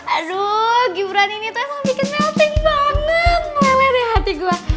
aduh gibran ini tuh emang bikin melting banget meleleri hati gue